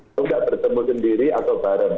itu nggak bertemu sendiri atau bareng